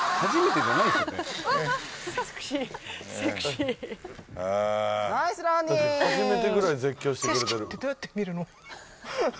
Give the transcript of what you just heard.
景色ってどうやって見るの？